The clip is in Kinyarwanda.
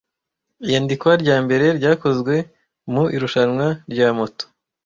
Iyandikwa ryambere ryakozwe mu Irushanwa rya moto